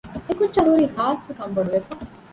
އެކުއްޖާހުރީ ހާސްވެ ކަންބޮޑުވެފަ